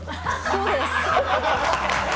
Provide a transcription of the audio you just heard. そうです。